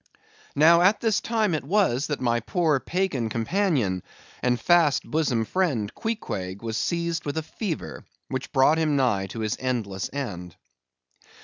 Now, at this time it was that my poor pagan companion, and fast bosom friend, Queequeg, was seized with a fever, which brought him nigh to his endless end.